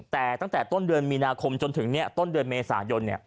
แต่ตั้งแต่ต้นเดือนมีนาคมจนถึงต้นเดือนเมษายน